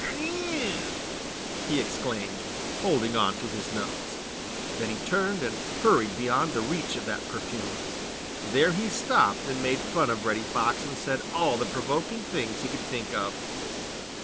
"Phew!" he exclaimed, holding on to his nose. Then he turned and hurried beyond the reach of that perfume. There he stopped and made fun of Reddy Fox and said all the provoking things he could think of.